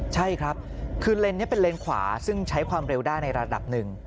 ใช่ครับคือเลนนี้เป็นเลนขวาซึ่งใช้ความเร็วได้ในระดับหนึ่ง